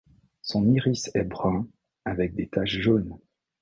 Son iris est brun avec des taches jaunes.